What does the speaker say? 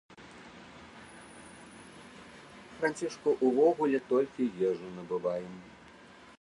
Францішку ўвогуле толькі ежу набываем.